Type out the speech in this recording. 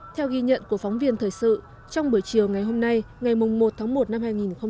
theo ghi nhận của phóng viên thời sự trong buổi chiều ngày hôm nay ngày một tháng một năm hai nghìn hai mươi